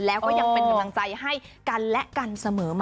แล้วก็ยังเป็นกำลังใจให้กันและกันเสมอมา